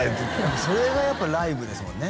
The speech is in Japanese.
それがやっぱライブですもんね